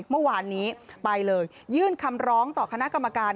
เมื่อวานนี้ไปเลยยื่นคำร้องต่อคณะกรรมการ